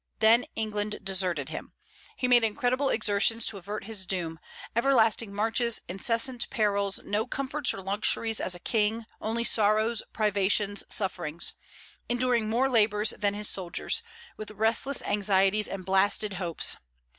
Then England deserted him. He made incredible exertions to avert his doom: everlasting marches, incessant perils; no comforts or luxuries as a king, only sorrows, privations, sufferings; enduring more labors than his soldiers; with restless anxieties and blasted hopes.